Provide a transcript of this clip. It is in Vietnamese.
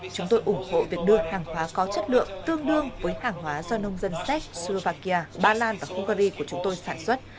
chúng tôi ủng hộ việc đưa hàng hóa có chất lượng tương đương với hàng hóa do nông dân zép slovakia ba lan và hungary của chúng tôi sản xuất